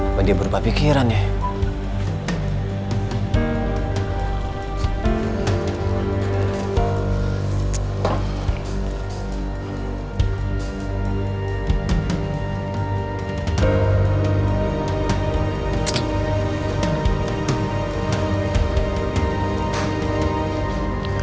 apa dia berupa pikiran ya